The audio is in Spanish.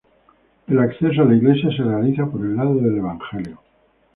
El acceso a la iglesia se realiza por el lado del evangelio.